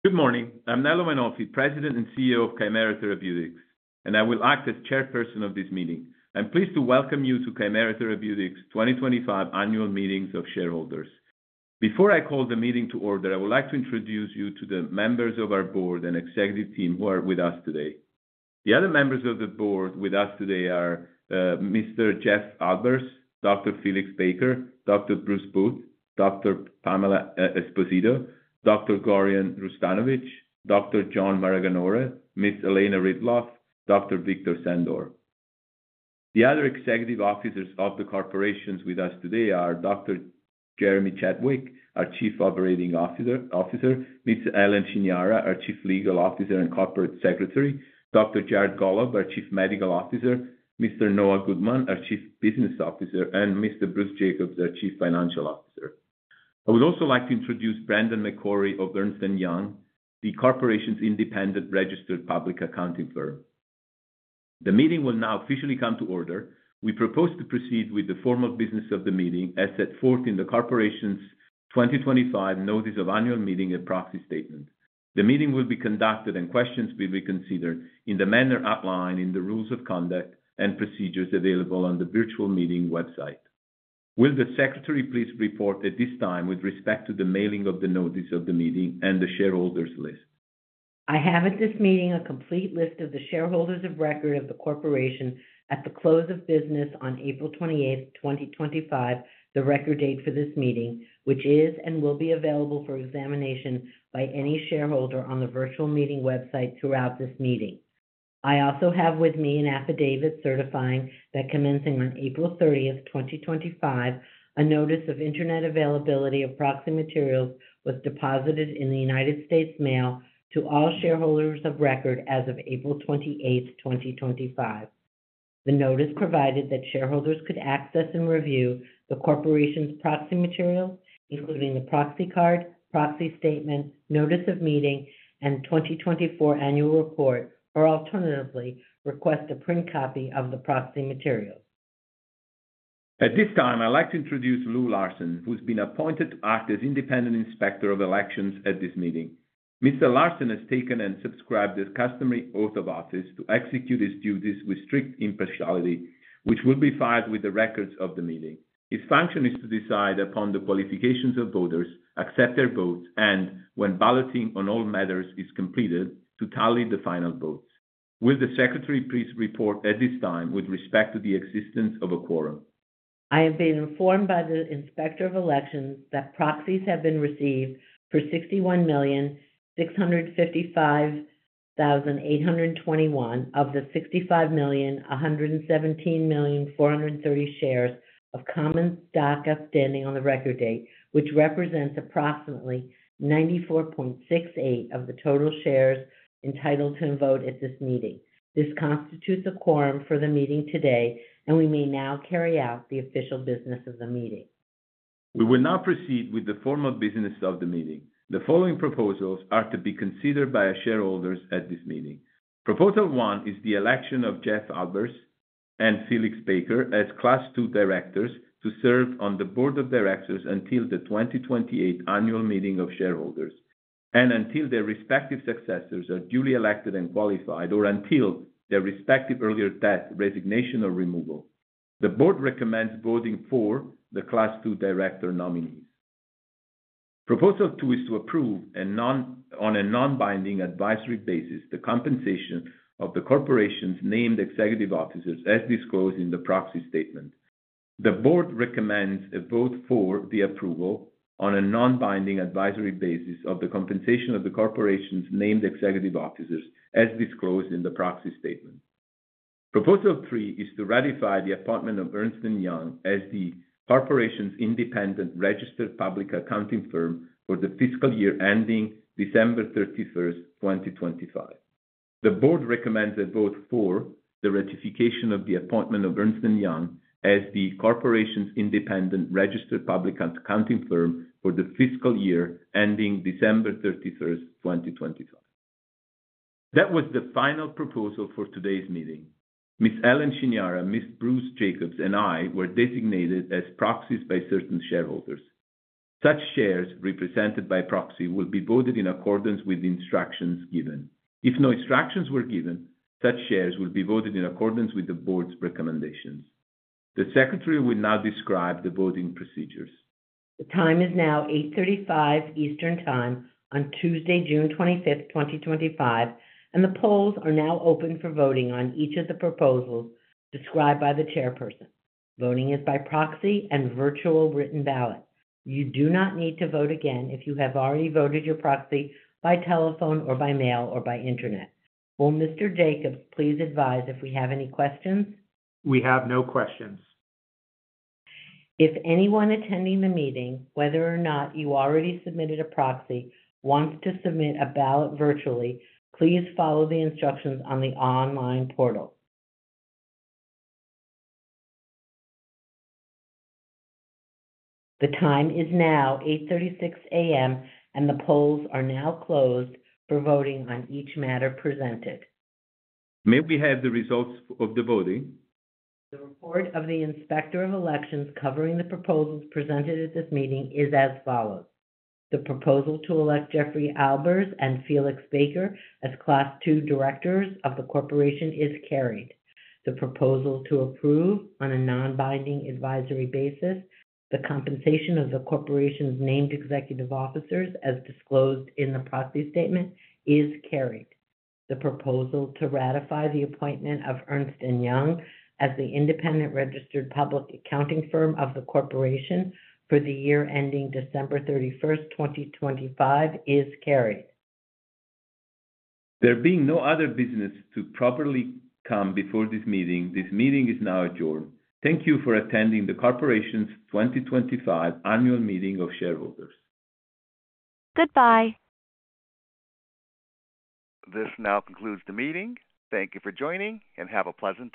Good morning. I'm Nello Mainolfi, President and CEO of Kymera Therapeutics, and I will act as Chairperson of this meeting. I'm pleased to welcome you to Kymera Therapeutics' 2025 Annual Meeting of Shareholders. Before I call the meeting to order, I would like to introduce you to the members of our board and executive team who are with us today. The other members of the board with us today are Mr. Jeff Albers, Dr. Felix Baker, Dr. Bruce Booth, Dr. Pamela Esposito, Dr. Gloria Rustanovich, Dr. John Maraganore, Ms. Elena Ridloff, and Dr. Victor Sandor. The other executive officers of the corporation with us today are Dr. Jeremy Chadwick, our Chief Operating Officer; Ms. Ellen Chiniara, our Chief Legal Officer and Corporate Secretary; Dr. Jared Gollob, our Chief Medical Officer; Mr. Noah Goodman, our Chief Business Officer; and Mr. Bruce Jacobs, our Chief Financial Officer. I would also like to introduce Brandon McCory of Ernst & Young, the corporation's independent registered public accounting firm. The meeting will now officially come to order. We propose to proceed with the formal business of the meeting as set forth in the Corporation's 2025 Notice of Annual Meeting and Proxy Statement. The meeting will be conducted, and questions will be considered in the manner outlined in the Rules of Conduct and Procedures available on the virtual meeting website. Will the Secretary please report at this time with respect to the mailing of the notice of the meeting and the shareholders' list? I have at this meeting a complete list of the shareholders of record of the corporation at the close of business on April 28, 2025, the record date for this meeting, which is and will be available for examination by any shareholder on the virtual meeting website throughout this meeting. I also have with me an affidavit certifying that commencing on April 30, 2025, a notice of internet availability of proxy materials was deposited in the United States Mail to all shareholders of record as of April 28, 2025. The notice provided that shareholders could access and review the corporation's proxy materials, including the proxy card, proxy statement, notice of meeting, and 2024 Annual Report, or alternatively request a print copy of the proxy materials. At this time, I'd like to introduce Lou Larsen, who's been appointed to act as Independent Inspector of Elections at this meeting. Mr. Larsen has taken and subscribed his customary oath of office to execute his duties with strict impartiality, which will be filed with the records of the meeting. His function is to decide upon the qualifications of voters, accept their votes, and, when balloting on all matters is completed, to tally the final votes. Will the Secretary please report at this time with respect to the existence of a quorum? I have been informed by the Inspector of Elections that proxies have been received for 61,655,821 of the 65,117,430 shares of common stock outstanding on the record date, which represents approximately 94.68% of the total shares entitled to vote at this meeting. This constitutes a quorum for the meeting today, and we may now carry out the official business of the meeting. We will now proceed with the formal business of the meeting. The following proposals are to be considered by shareholders at this meeting. Proposal one is the election of Jeff Albers and Felix Baker as Class 2 Directors to serve on the Board of Directors until the 2028 Annual Meeting of Shareholders and until their respective successors are duly elected and qualified, or until their respective earlier death, resignation, or removal. The board recommends voting for the Class 2 Director nominees. Proposal two is to approve on a non-binding advisory basis the compensation of the corporation's named executive officers, as disclosed in the proxy statement. The board recommends a vote for the approval on a non-binding advisory basis of the compensation of the corporation's named executive officers, as disclosed in the proxy statement. Proposal three is to ratify the appointment of Ernst & Young as the corporation's independent registered public accounting firm for the fiscal year ending December 31, 2025. The board recommends a vote for the ratification of the appointment of Ernst & Young as the corporation's independent registered public accounting firm for the fiscal year ending December 31, 2025. That was the final proposal for today's meeting. Ms. Ellen Chiniara, Mr. Bruce Jacobs, and I were designated as proxies by certain shareholders. Such shares represented by proxy will be voted in accordance with the instructions given. If no instructions were given, such shares will be voted in accordance with the board's recommendations. The Secretary will now describe the voting procedures. The time is now 8:35 A.M. Eastern Time on Tuesday, June 25, 2025, and the polls are now open for voting on each of the proposals described by the Chairperson. Voting is by proxy and virtual written ballot. You do not need to vote again if you have already voted your proxy by telephone, or by mail, or by internet. Will Mr. Jacobs please advise if we have any questions? We have no questions. If anyone attending the meeting, whether or not you already submitted a proxy, wants to submit a ballot virtually, please follow the instructions on the online portal. The time is now 8:36 A.M., and the polls are now closed for voting on each matter presented. May we have the results of the voting? The report of the Inspector of Elections covering the proposals presented at this meeting is as follows. The proposal to elect Jeff Albers and Felix Baker as Class 2 Directors of the corporation is carried. The proposal to approve on a non-binding advisory basis the compensation of the corporation's named executive officers, as disclosed in the proxy statement, is carried. The proposal to ratify the appointment of Ernst & Young as the independent registered public accounting firm of the corporation for the year ending December 31, 2025, is carried. There being no other business to properly come before this meeting, this meeting is now adjourned. Thank you for attending the Corporation's 2025 Annual Meeting of Shareholders. Goodbye. This now concludes the meeting. Thank you for joining, and have a pleasant.